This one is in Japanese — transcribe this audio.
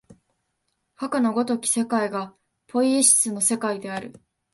かくの如き世界がポイエシスの世界である。